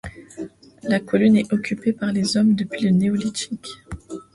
La colline est occupée par les hommes depuis le Néolithique.